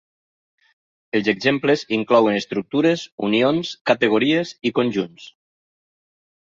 Els exemples inclouen estructures, unions, categories i conjunts.